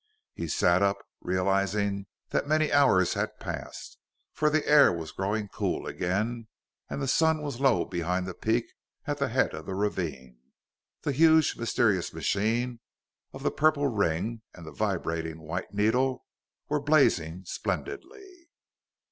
He sat up, realizing that many hours had passed, for the air was growing cool again, and the sun was low behind the peak at the head of the ravine. The huge, mysterious machine of the purple ring and the vibrating white needle were blazing splendidly.